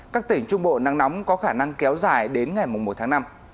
các tỉnh trung bộ nắng nóng có khả năng kéo dài đến ngày một tháng năm